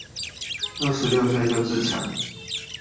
二十六歲就置產